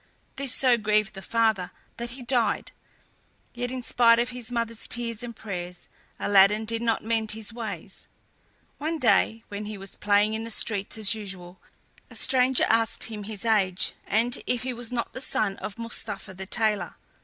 This so grieved the father that he died; yet, in spite of his mother's tears and prayers, Aladdin did not mend his ways. One day, when he was playing in the streets as usual, a stranger asked him his age, and if he was not the son of Mustapha the tailor.